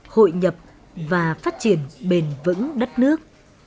hội nhập và phát triển bền vững đất nước